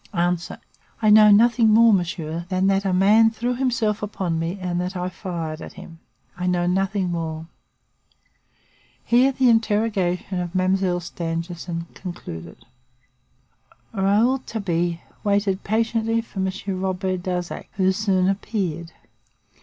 "A. I know nothing more, monsieur, than that a man threw himself upon me and that I fired at him. I know nothing more." Here the interrogation of Mademoiselle Stangerson concluded. Rouletabille waited patiently for Monsieur Robert Darzac, who soon appeared.